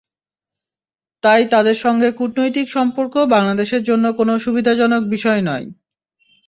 তাই তাদের সঙ্গে কূটনৈতিক সম্পর্ক বাংলাদেশের জন্য কোনো সুবিধাজনক বিষয় নয়।